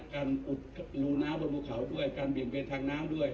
อุดรูน้ำบนภูเขาด้วยการเบี่ยงเบนทางน้ำด้วย